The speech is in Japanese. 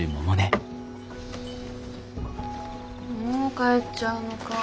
もう帰っちゃうのかぁ。